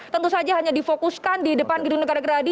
tentu saja hanya difokuskan di depan gitu negara gerhadi